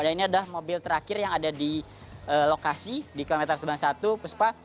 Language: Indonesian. dan ini adalah mobil terakhir yang ada di lokasi di kilometer sembilan puluh satu puspa